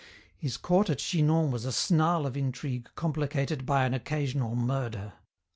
His court at Chinon was a snarl of intrigue complicated by an occasional murder.